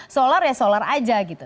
solar ya solar aja gitu